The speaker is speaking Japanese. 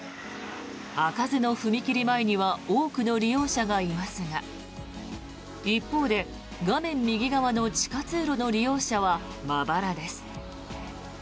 開かずの踏切前には多くの利用者がいますが一方で、画面右側の地下通路の利用者はまばらです。